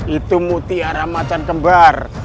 itu mutiara macan kembar